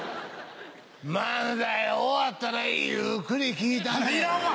漫才終わったらゆっくり聞いたんねん。